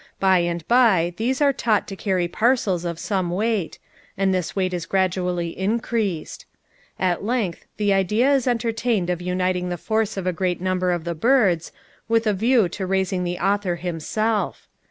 By and by these are taught to carry parcels of some weight—and this weight is gradually increased. At length the idea is entertained of uniting the force of a great number of the birds, with a view to raising the author himself.